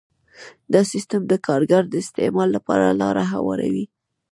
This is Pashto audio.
دا سیستم د کارګر د استثمار لپاره لاره هواروي